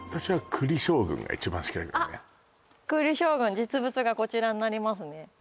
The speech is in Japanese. あっくり将軍実物がこちらになりますね